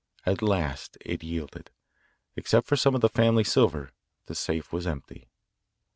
At last it yielded. Except for some of the family silver, the safe was empty.